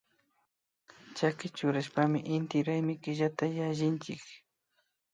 Chaki churashpami inti raymi killata yallinchik